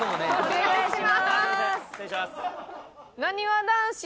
お願いします！